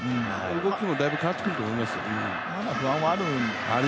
動きもだいぶ変わってくると思います。